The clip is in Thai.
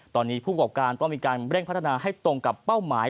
ตอนนี้ผู้กรอบการต้องมีการเร่งพัฒนาให้ตรงกับเป้าหมาย